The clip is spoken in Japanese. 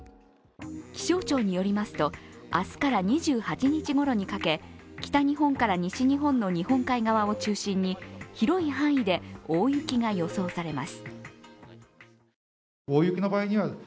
気象庁によりますと、明日から２８日ごろにかけ、北日本から西日本の日本海側を中心に広い範囲で大雪が予想されます。